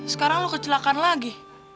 sekarang lo kecelakaan lagi